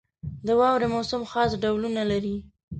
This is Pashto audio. • د واورې موسم خاص ډولونه لري.